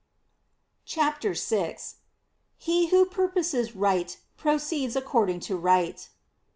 '' I CHAPTER VI (_ITe who purposes Right proceeds according to Right, ' f" I.